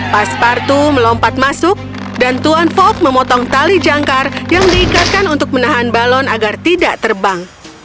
pas partu melompat masuk dan tuan fog memotong tali jangkar yang diikatkan untuk menahan balon agar tidak terbang